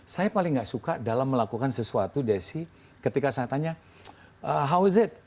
saya paling gak suka dalam melakukan sesuatu desi ketika saya tanya how it